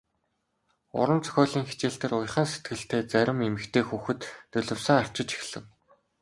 Уран зохиолын хичээл дээр уяхан сэтгэлтэй зарим эмэгтэй хүүхэд нулимсаа арчиж эхлэв.